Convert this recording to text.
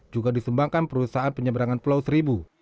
juga disumbangkan perusahaan penyeberangan pulau seribu